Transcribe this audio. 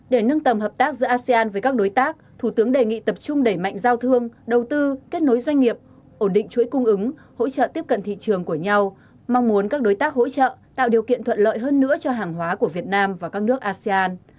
để nâng tầm hợp tác giữa asean với các đối tác thủ tướng đề nghị tập trung đẩy mạnh giao thương đầu tư kết nối doanh nghiệp ổn định chuỗi cung ứng hỗ trợ tiếp cận thị trường của nhau mong muốn các đối tác hỗ trợ tạo điều kiện thuận lợi hơn nữa cho hàng hóa của việt nam và các nước asean